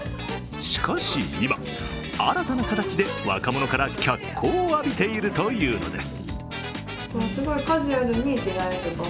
しかし今、新たな形で若者から脚光を浴びているというのです。